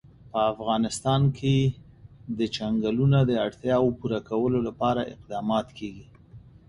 په افغانستان کې د چنګلونه د اړتیاوو پوره کولو لپاره اقدامات کېږي.